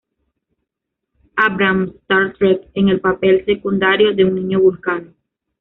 Abrams "Star Trek", en el papel secundario de un niño vulcano.